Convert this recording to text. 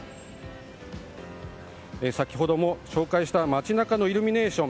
先ほども紹介した街中のイルミネーション。